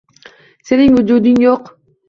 Sening vujuding yo’q